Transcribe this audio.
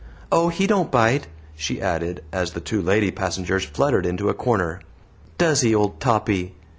"Oh, he don't bite," she added, as the two lady passengers fluttered into a corner. "Does he, old Toppy?"